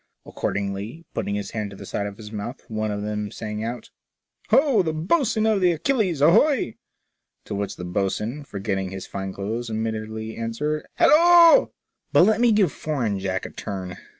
Accordingly, putting his hand to the side of his mouth, one of them sang out, Ho, the bo'sun of the Achilles, ahoy!" to which the boatswain, forgetting his fine clothes, immediately answered, Hallo !" But let me give foreign Jack a turn.